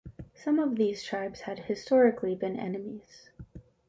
Some of these tribes had historically been enemies.